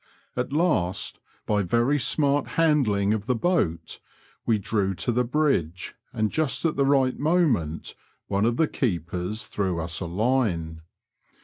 At last, by very smart handling of the boat, we drew to the bridge, and just at the right moment one of the keepers threw us a line.